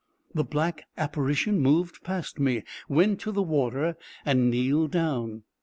The black apparition moved past me, went to the water and kneeled down.